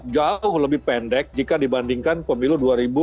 dua ribu dua puluh empat jauh lebih pendek jika dibandingkan pemilu dua ribu sembilan belas